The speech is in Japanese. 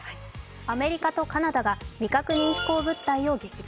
アメリカとカナダが未確認飛行物体を撃墜。